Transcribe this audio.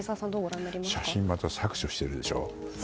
写真をまた削除しているでしょ。